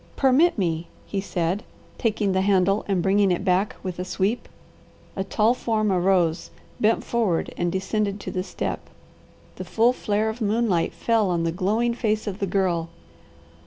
"Permit me," he said, taking the handle and bringing it back with a sweep. A tall form arose, bent forward, and descended to the step. The full flare of moonlight fell on the glowing face of the Girl.